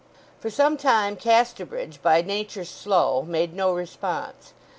For some time Casterbridge, by nature slow, made no response.